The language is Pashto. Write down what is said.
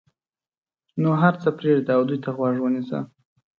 نو هر څه پرېږده او دوی ته غوږ ونیسه.